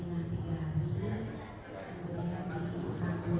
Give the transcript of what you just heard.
di madinah tiga hari